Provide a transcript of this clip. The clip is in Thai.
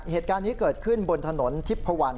เหตุการณ์นี้เกิดขึ้นบนถนนทิพพวัน